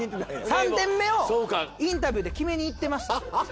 ３点目をインタビューで決めにいってました。